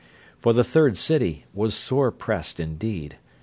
For the Third City was sore pressed indeed.